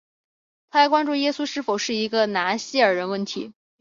它还关注耶稣是否是一个拿细耳人问题。